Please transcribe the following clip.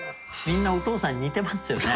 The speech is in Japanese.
みんなお父さんに似てますよね。